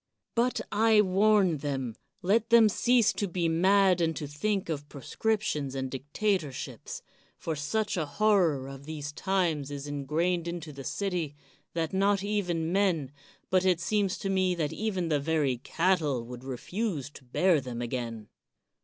But, I warn them, let them cease to be mad, and to think of proscriptions and dictatorships; for such a horror of these times is ingrained into the city, that not even men, but it seems to me that even the very cattle would refuse to bear them again.